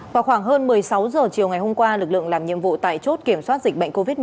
vào khoảng hơn một mươi sáu h chiều ngày hôm qua lực lượng làm nhiệm vụ tại chốt kiểm soát dịch bệnh covid một mươi chín